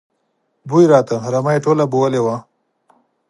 بوی راته، رمه یې ټوله بېولې وه.